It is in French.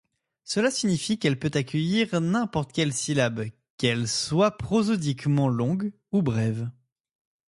Cela signifie qu'elle peut accueillir n'importe quelle syllabe, qu'elle soit prosodiquement longue ou brève.